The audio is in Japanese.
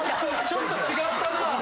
・ちょっと違ったなぁ！